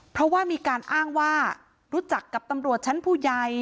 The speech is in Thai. เพราะว่ามีการอ้างว่ารู้จักกับตำรวจชั้นผู้ใหญ่